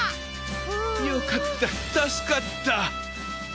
よかった助かった。